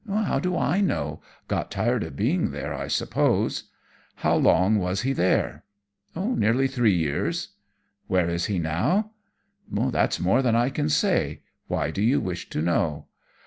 "How do I know? Got tired of being there, I suppose." "How long was he there?" "Nearly three years." "Where is he now?" "That's more than I can say. Why do you wish to know?"